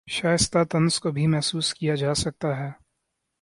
شائستہ طنز کو بھی محسوس کیا جاسکتا ہے